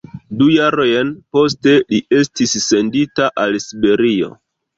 Du jarojn poste li estis sendita al Siberio.